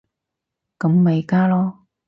咁咪加囉